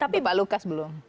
tapi pak lukas belum